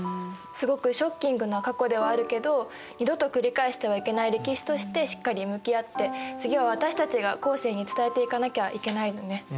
すごくショッキングな過去ではあるけど二度と繰り返してはいけない歴史としてしっかり向き合って次は私たちが後世に伝えていかなきゃいけないよね。